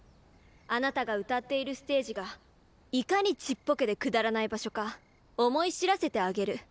あなたが歌っているステージがいかにちっぽけでくだらない場所か思い知らせてあげる。